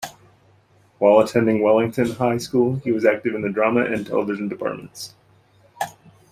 While attending Wellington High School he was active in the drama and television departments.